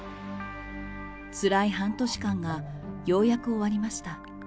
つらい半年間がようやく終わりました。